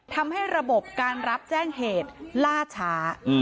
ทำให้ระบบการรับแจ้งเหตุล่าช้า